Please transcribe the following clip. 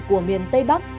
của miền tây bắc